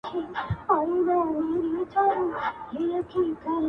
که په شپه د زکندن دي د جانان استازی راغی!!